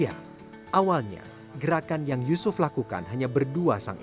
ya awalnya gerakan yang yusuf lakukan hanya bergabung dengan suami saya